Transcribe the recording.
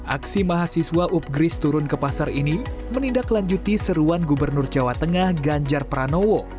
aksi mahasiswa upgris turun ke pasar ini menindaklanjuti seruan gubernur jawa tengah ganjar pranowo